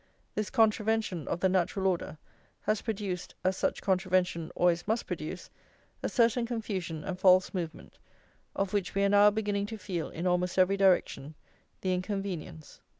This contravention of the natural order has produced, as such contravention always must produce, a certain confusion and false movement, of which we are now beginning to feel, in almost every direction, the inconvenience.